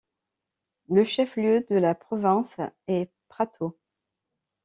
Le chef-lieu de la province est Prato.